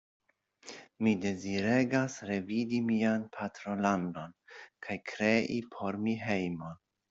Mi deziregas revidi mian patrolandon kaj krei por mi hejmon.